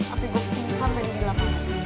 ampe gue pingsan sampe di gelap